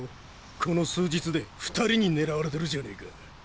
この数日で２人に狙われてるじゃねぇか。